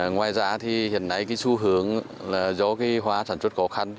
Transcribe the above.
ngoài ra hiện nay xu hướng do hoa sản xuất khó khăn